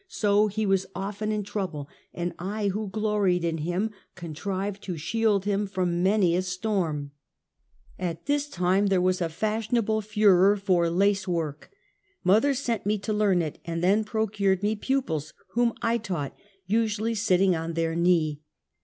So he was often in trouble, and I, who gloried in him, contrived to shield him from many a storm. At this time there was a fashionable furor for lace work. Mother sent me to learn it, and then procured me pupils, whom I taught, usually sitting on their knee.